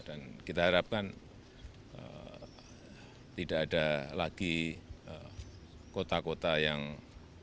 dan kita harapkan tidak ada lagi kota kota yang rusak di ukraina akibat perang